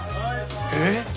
えっ？